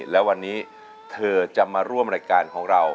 และวันนี้เธอจะมาร่วมรายการของเรา